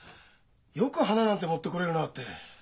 「よく花なんて持ってこれるな」って。